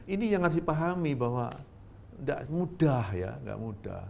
ini yang harus dipahami bahwa mudah ya gak mudah